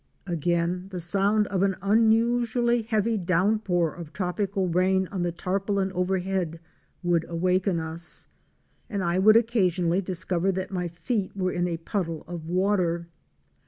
Again the sound of an unusually heavy downpour of trop ical rain on the tarpaulin overhead would waken us, and I would occasionally discover that my feet were in a puddle of water.